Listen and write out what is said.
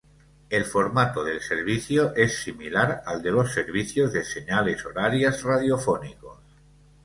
El formato del servicio es similar al de los servicios de señales horarias radiofónicos.